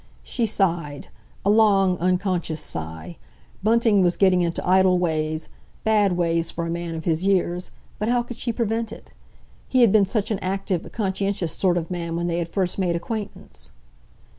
She sighed—a long, unconscious sigh. Bunting was getting into idle ways, bad ways for a man of his years. But how could she prevent it? He had been such an active, conscientious sort of man when they had first made acquaintance.